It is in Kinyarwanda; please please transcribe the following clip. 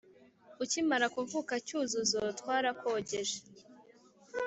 ukimara kuvuka cyuzuzo twarakogeje